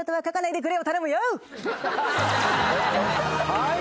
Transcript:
はい。